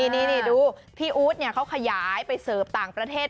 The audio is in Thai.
นี่ดูพี่อู๊ดเขาขยายไปเสิร์ฟต่างประเทศ